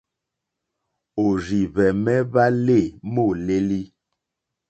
Òrzìhwɛ̀mɛ́ hwá lê môlélí.